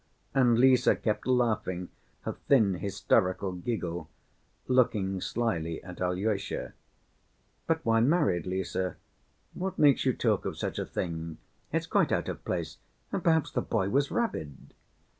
And Lise kept laughing her thin hysterical giggle, looking slyly at Alyosha. "But why married, Lise? What makes you talk of such a thing? It's quite out of place—and perhaps the boy was rabid."